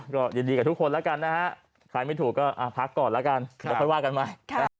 ก็ยินดีกับทุกคนแล้วกันนะฮะใครไม่ถูกก็พักก่อนแล้วกันเดี๋ยวค่อยว่ากันใหม่